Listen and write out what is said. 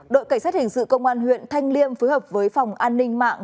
đội cảnh sát hình sự công an huyện thanh liêm phối hợp với phòng an ninh mạng